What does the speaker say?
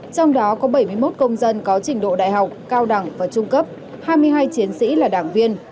trong đó có bảy mươi một công dân có trình độ đại học cao đẳng và trung cấp hai mươi hai chiến sĩ là đảng viên